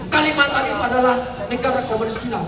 kalimantan itu adalah negara komunis china